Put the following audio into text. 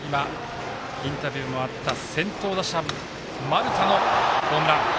インタビューにもあった先頭打者、丸田のホームラン。